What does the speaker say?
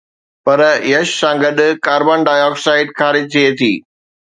پر يش سان گڏ ڪاربان ڊاءِ آڪسائيڊ خارج ٿئي ٿي